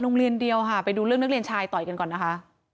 โรงเรียนเดียวค่ะไปดูเรื่องนักเรียนชายต่อยกันก่อนนะคะ